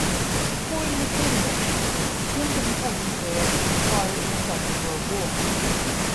According to Cavendish, Young's intelligence career started in the Second World War.